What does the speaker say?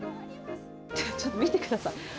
ちょっと見てください。